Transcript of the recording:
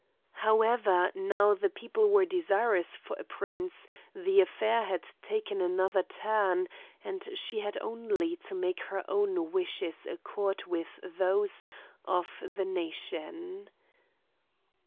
However, now the people were desirous for a prince, the affair had taken another turn, and she had only to make her own wishes accord with those of the nation.